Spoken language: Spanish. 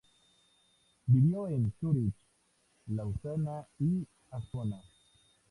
Vivió en Zúrich, Lausana y Ascona.